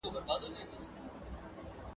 • جامه په يوه گوته اوږده په يوه لنډه.